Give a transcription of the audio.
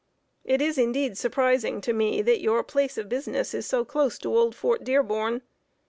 It is indeed surprising to me that your place of business is so close to old Fort Dearborn.